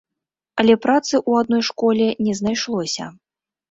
Але працы ў адной школе не знайшлося.